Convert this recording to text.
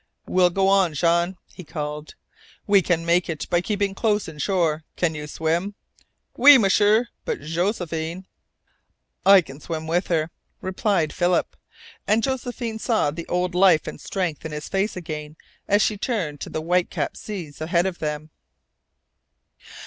"We'll go on, Jean," he called. "We can make it by keeping close inshore. Can you swim?" "Oui, M'sieur; but Josephine " "I can swim with her," replied Philip, and Josephine saw the old life and strength in his face again as she turned to the white capped seas ahead of them.